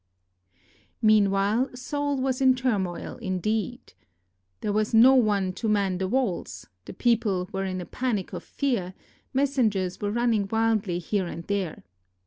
Meanwhile Seoul was in turmoil, indeed. There was no one to man the walls, the people were in a panic of fear, messengers were running wildly here and there.